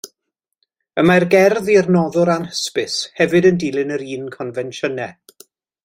Y mae'r gerdd i'r noddwr anhysbys hefyd yn dilyn yr un confensiynau.